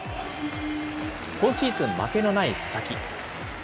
今シーズン負けのない佐々木。